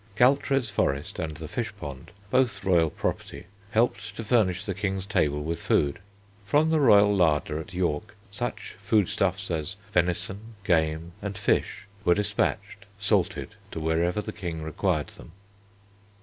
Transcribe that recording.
Galtres Forest and the Fish Pond, both royal property, helped to furnish the king's table with food. From the royal Larder at York such foodstuffs as venison, game, and fish were despatched salted to wherever the King required them.